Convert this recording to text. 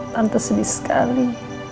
tante sedih sekali